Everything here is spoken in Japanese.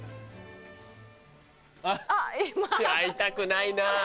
あっ会いたくないなぁ。